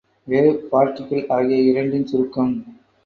Wave, particle ஆகிய இரண்டின் சுருக்கம்.